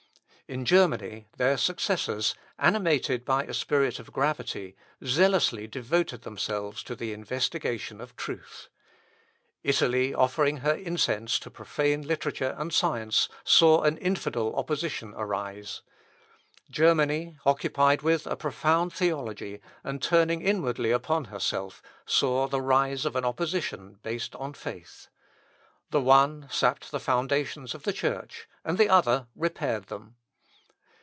In Germany, their successors, animated by a spirit of gravity, zealously devoted themselves to the investigation of truth. Italy offering her incense to profane literature and science, saw an infidel opposition arise. Germany, occupied with a profound theology, and turned inwardly upon herself, saw the rise of an opposition based on faith. The one sapped the foundations of the Church, and the other repaired them.